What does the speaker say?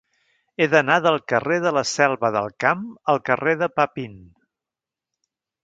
He d'anar del carrer de la Selva del Camp al carrer de Papin.